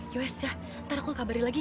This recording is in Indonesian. yowes dah ntar aku kabarin lagi ya